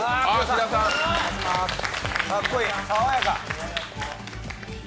かっこいい、さわやか。